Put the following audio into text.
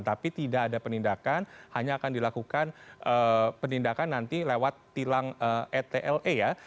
tapi tidak ada penindakan hanya akan dilakukan penindakan nanti lewat tilang etle ya